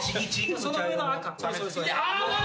・その上の赤。